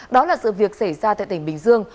đó là sự việc xảy ra